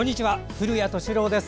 古谷敏郎です。